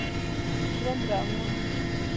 ژوند روان و.